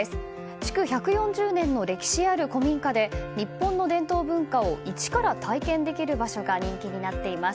築１４０年の歴史ある古民家で日本の伝統文化を一から体験できる場所が人気になっています。